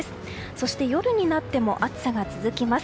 そして、夜になっても暑さが続きます。